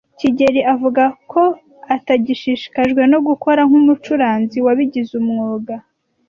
kigeli avuga ko atagishishikajwe no gukora nk'umucuranzi wabigize umwuga.